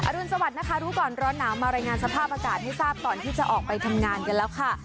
รุนสวัสดิ์นะคะรู้ก่อนร้อนหนาวมารายงานสภาพอากาศให้ทราบก่อนที่จะออกไปทำงานกันแล้วค่ะ